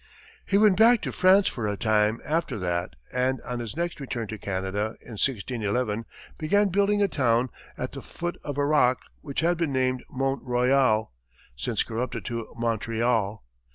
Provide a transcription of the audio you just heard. He went back to France for a time, after that, and on his next return to Canada, in 1611, began building a town at the foot of a rock which had been named Mont Royal, since corrupted to Montreal.